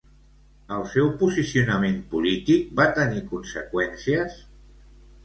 El seu posicionament polític va tenir conseqüències?